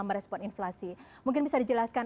merespon inflasi mungkin bisa dijelaskan